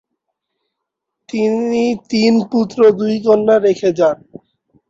তিনি তিন পুত্র ও দুই কন্যা রেখে যান।